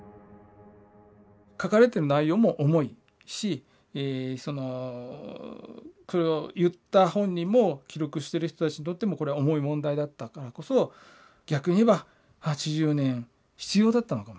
書かれてる内容も重いしこれを言った本人も記録してる人たちにとってもこれは重い問題だったからこそ逆に言えば８０年必要だったのかもしれないですね。